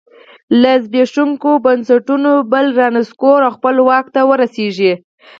له زبېښونکو بنسټونو بل رانسکور او خپله واک ته ورسېږي.